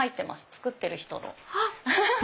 作ってる人の。